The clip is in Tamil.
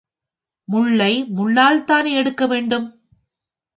முள்ளை முள்ளால்தானே எடுக்க வேண்டும்?